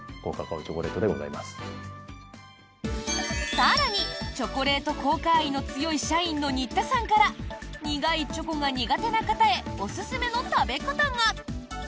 更にチョコレート効果愛の強い社員の新田さんから苦いチョコが苦手な方へおすすめの食べ方が！